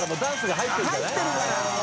入ってるから！